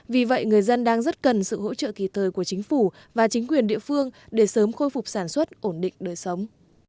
vì vậy người dân đang rất cần sự hỗ trợ kỳ thời của chính phủ và chính quyền địa phương để sớm khôi phục sản xuất ổn định đời sống